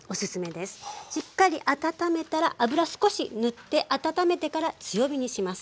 しっかり温めたら油少し塗って温めてから強火にします。